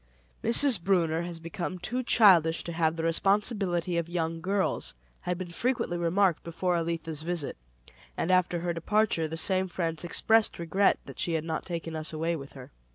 "Mrs. Brunner has become too childish to have the responsibility of young girls," had been frequently remarked before Elitha's visit; and after her departure, the same friends expressed regret that she had not taken us away with her.